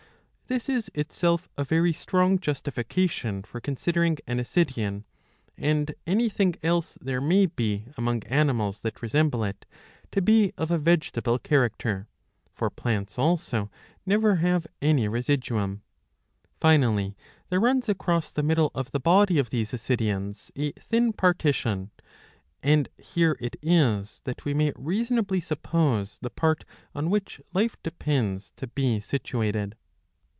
This is itself a very strong justification for con sidering an Ascidian, and any thing else there may be among animals that resembles it, to be of a vegetable character ; for plants also never have any residuum.^" Finally there runs across tht middle of the body of these Ascidians a thin partition, and here it is that we may reasonably suppose the part on which life depends to be situated.